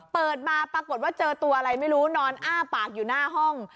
เปิดมาปรากฏว่าเจอตัวอะไรไม่รู้นอนอ้าปากอยู่หน้าห้อง